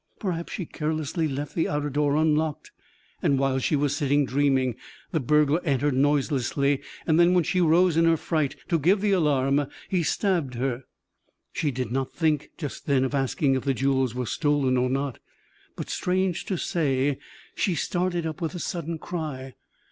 Perhaps she carelessly left the outer door unlocked, and, while she was sitting dreaming, the burglar entered noiselessly; then, when she rose in her fright to give the alarm, he stabbed her." She did not think just then of asking if the jewels were stolen or not; but, strange to say, she started up with a sudden cry.